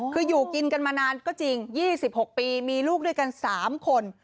คืออยู่กินกันมานานก็จริง๒๖ปีมีลูกด้วยกัน๓คน